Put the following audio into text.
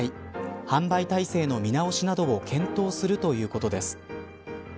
販売体制の見直しなどを検討するということです。